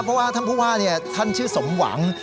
เพราะว่าท่านผู้ว่าท่านชื่อสมหวัง